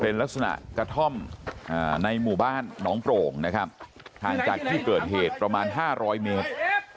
เป็นลักษณะกระท่อมในหมู่บ้านหนองโปร่งนะครับห่างจากที่เกิดเหตุประมาณ๕๐๐เมตร